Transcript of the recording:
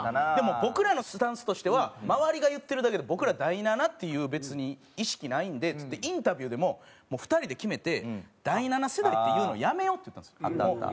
でも僕らのスタンスとしては周りが言ってるだけで僕ら第七っていう別に意識ないんでっつってインタビューでも２人で決めて「第七世代」って言うのやめようって言ったんですよ。